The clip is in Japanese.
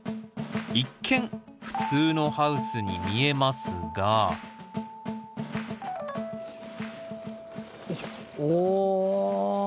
一見普通のハウスに見えますがおお！